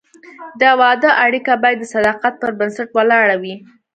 د واده اړیکه باید د صداقت پر بنسټ ولاړه وي.